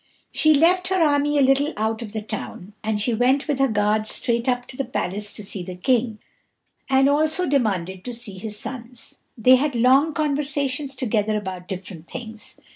She left her army a little out of the town, and she went with her guards straight up to the palace to see the King, and also demanded to see his sons. They had a long conversation together about different things.